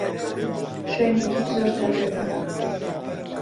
شوێنێکی زۆر تایبەتە.